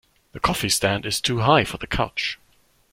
The coffee stand is too high for the couch.